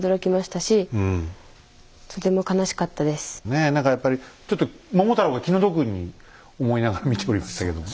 ねえ何かやっぱりちょっと桃太郎が気の毒に思いながら見ておりましたけども。